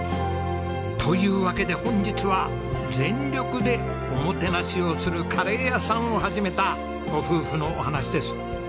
というわけで本日は全力でおもてなしをするカレー屋さんを始めたご夫婦のお話です。